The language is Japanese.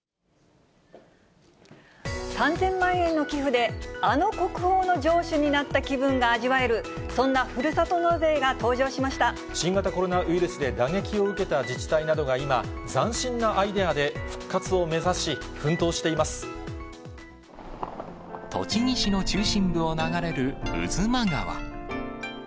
３０００万円の寄付で、あの国宝の城主になった気分が味わえる、そんなふるさと納税が登新型コロナウイルスで打撃を受けた自治体などが今、斬新なアイデアで復活を目指し、奮闘して栃木市の中心部を流れる巴波川。